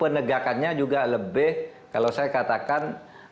penegakannya juga lebih kalau saya katakan